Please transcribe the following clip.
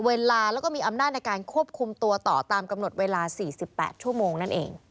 เวลาแล้วก็มีอำนาจในการควบคุมตัวต่อตามกำหนดเวลา๔๘ชั่วโมงนั่นเอง